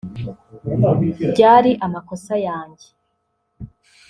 byari amakosa yanjye